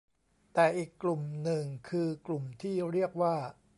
แต่อีกลุ่มหนึ่งคือกลุ่มที่เรียกว่า